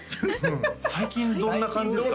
最近どんな感じですか？